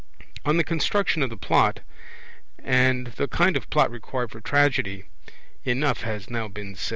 On the construction of the Plot, and the kind of Plot required for Tragedy, enough has now been said.